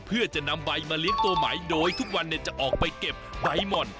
เพื่อจะนำใบมาเลี้ยงตัวใหม่โดยทุกวันจะออกไปเก็บใบหม่อน